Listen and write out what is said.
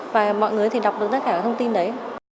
và mọi người thì đọc được tất cả các thông tin đấy